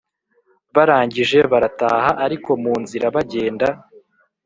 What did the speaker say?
barangije barataha, ariko munzira bagenda